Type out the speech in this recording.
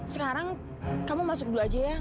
sekarang kamu masuk dulu aja ya